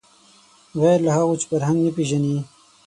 غیر له هغو چې فرهنګ نه پېژني